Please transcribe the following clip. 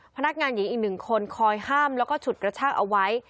พนักงานหญิงอีกหนึ่งคนคอยห้ามแล้วก็ฉุดกระชากเอาไว้